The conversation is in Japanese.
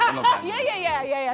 いやいやいやいやいや！